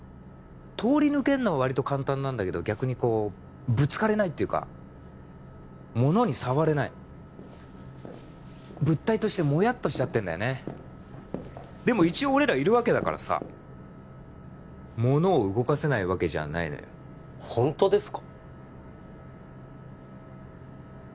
通り抜けんのはわりと簡単なんだけど逆にこうぶつかれないっていうか物に触れない物体としてモヤッとしちゃってんだよねでも一応俺らいるわけだからさ物を動かせないわけじゃないのよほんとですか？